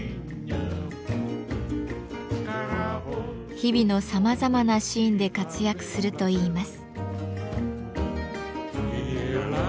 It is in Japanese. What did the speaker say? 日々のさまざまなシーンで活躍するといいます。